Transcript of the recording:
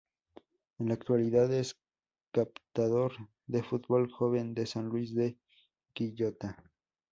En la actualidad es captador de fútbol joven de San Luis de Quillota.